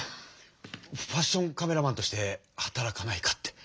ファッションカメラマンとして働かないかって。